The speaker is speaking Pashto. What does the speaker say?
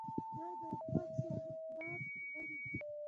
دوی د اوپک سازمان غړي دي.